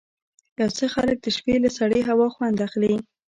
یو څه خلک د شپې له سړې هوا خوند اخلي.